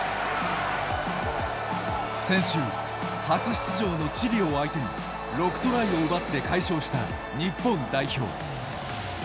先週、初出場のチリを相手に６トライを奪って快勝した日本代表。